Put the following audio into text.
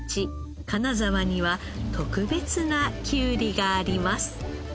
金沢には特別なきゅうりがあります。